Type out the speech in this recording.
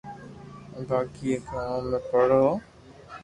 باقي آگي اومون ھي پڙو ھون